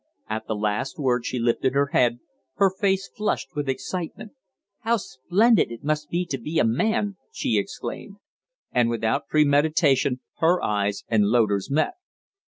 At the last word she lifted her head, her face flushed with excitement. "How splendid it must be to be a man!" she exclaimed. And without premeditation her eyes and Loder's met.